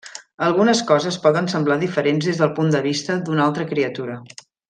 Algunes coses poden semblar diferents des del punt de vista d'una altra criatura.